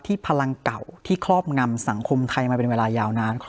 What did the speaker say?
พลังเก่าที่ครอบงำสังคมไทยมาเป็นเวลายาวนาน